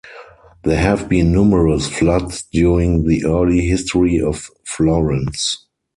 There have been numerous floods during the early history of Florence.